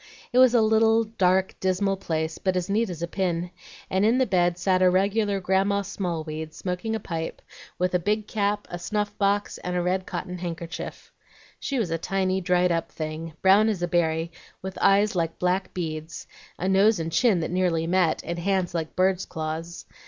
It was a little, dark, dismal place, but as neat as a pin, and in the bed sat a regular Grandma Smallweed smoking a pipe, with a big cap, a snuff box, and a red cotton handkerchief. She was a tiny, dried up thing, brown as a berry, with eyes like black beads, a nose and chin that nearly met, and hands like birds' claws.